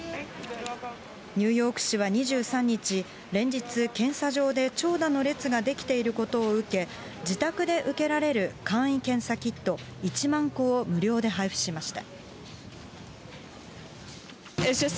ニューヨーク市は２３日、連日、検査場で長蛇の列が出来ていることを受け、自宅で受けられる簡易検査キット１万個を無料で配布しました。